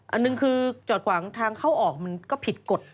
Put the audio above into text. อันหนึ่งคือจอดขวางทางเข้าออกมันก็ผิดกฎ